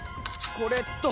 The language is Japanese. これと。